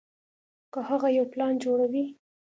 کۀ هغه يو پلان جوړوي